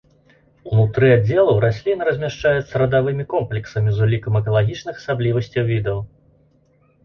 Унутры аддзелаў расліны размяшчаюцца радавымі комплексамі з улікам экалагічных асаблівасцяў відаў.